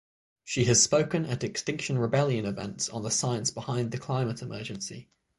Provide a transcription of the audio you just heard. She has spoken at Extinction Rebellion events on the science behind the climate emergency.